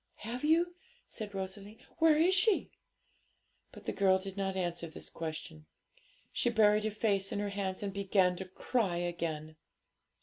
'Have you?' said Rosalie; 'where is she?' But the girl did not answer this question; she buried her face in her hands and began to cry again.